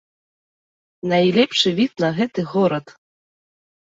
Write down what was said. Найлепшы від на гэты горад.